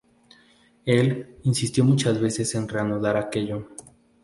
Él insistió muchas veces en reanudar aquello.